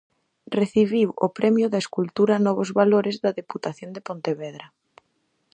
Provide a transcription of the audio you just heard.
Recibiu o Premio de Escultura Novos Valores da Deputación de Pontevedra.